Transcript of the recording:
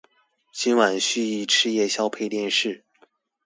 今晚蓄意吃宵夜配電視